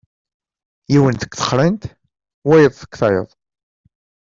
Yiwen deg teqrint, wayeḍ deg tayeḍ.